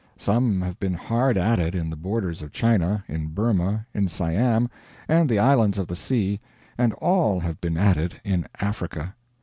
Some have been hard at it in the borders of China, in Burma, in Siam, and the islands of the sea; and all have been at it in Africa.